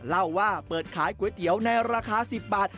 เล่าว่าเปิดขายก๋วยเตี๋ยวในราคา๑๐บาท